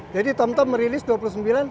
jadi tomtom merilis ke dua puluh sembilan